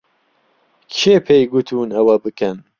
کێ پێی گوتوون ئەوە بکەن؟